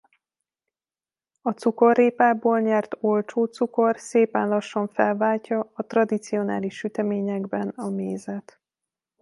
A cukorrépából nyert olcsó cukor szépen lassan felváltja a tradicionális süteményekben a mézet.